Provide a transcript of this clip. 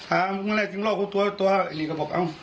อ่ามึงแน่จริงร่วงผมตัวตัวตัวไอ้นี่ก็บอกเอา